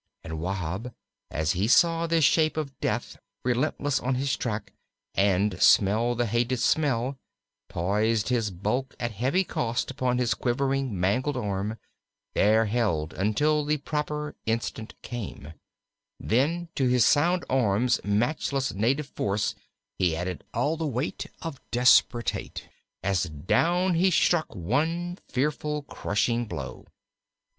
And Wahb, as he saw this shape of Death relentless on his track, and smelled the hated smell, poised his bulk at heavy cost upon his quivering, mangled arm, there held until the proper instant came, then to his sound arm's matchless native force he added all the weight of desperate hate as down he struck one fearful, crushing blow.